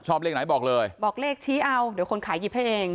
เลขไหนบอกเลยบอกเลขชี้เอาเดี๋ยวคนขายหยิบให้เอง